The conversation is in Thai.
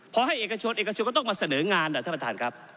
พอให้เอกชนเอกชนก็ต้องมาเสนองานท่านประธานครับ